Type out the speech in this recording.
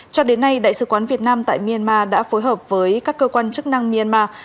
cho đến nay đại sứ quán việt nam tại myanmar đã phối hợp với các cơ quan chức năng myanmar